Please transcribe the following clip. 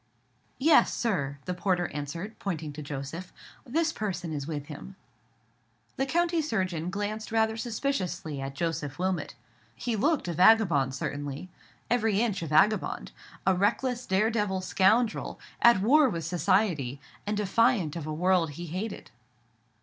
"Yes, sir," the porter answered, pointing to Joseph; "this person is with him." The country surgeon glanced rather suspiciously at Joseph Wilmot. He looked a vagabond, certainly—every inch a vagabond; a reckless, dare devil scoundrel, at war with society, and defiant of a world he hated.